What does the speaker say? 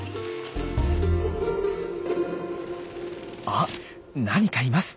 あっ何かいます。